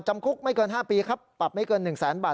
จำคุกไม่เกิน๕ปีครับปรับไม่เกิน๑แสนบาท